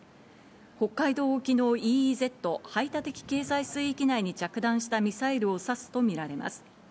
北海道沖のＥＥＺ・排他的経済水域内に着弾したミサイルを指すと見られます。